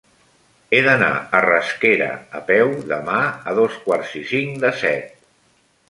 He d'anar a Rasquera a peu demà a dos quarts i cinc de set.